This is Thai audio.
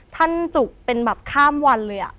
ท่านจุกเป็นแบบข้ามวันเลยอะ